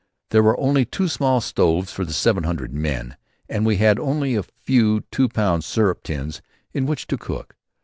There were only two small stoves for the seven hundred men and we had only a few two pound syrup tins in which to cook.